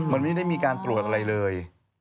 มันไม่ได้มีการตรวจอะไรเลย